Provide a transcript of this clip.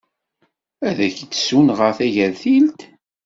Ad ak-d-ssunɣeɣ tagertilt?